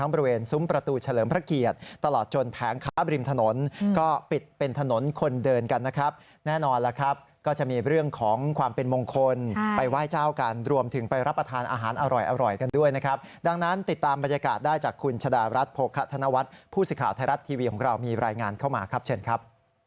พูดสิทธิ์ข่าวไทยรัตร์ทีวีของเรามีรายงานเข้ามาครับเช่นครับ